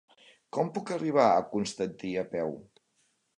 Com puc arribar a Constantí a peu?